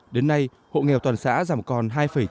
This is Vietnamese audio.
đến nay hộ nghèo toàn xã giảm còn hai chín mươi